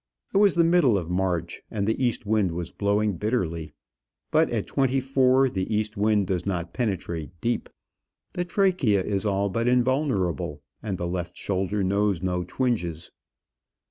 It was the middle of March, and the east wind was blowing bitterly. But at twenty four the east wind does not penetrate deep, the trachea is all but invulnerable, and the left shoulder knows no twinges.